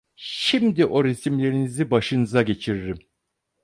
Şimdi o resimlerinizi başınıza geçiririm!